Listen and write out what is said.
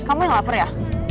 kamu yang lapar ya